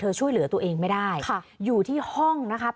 ช่วยเหลือตัวเองไม่ได้ค่ะอยู่ที่ห้องนะครับ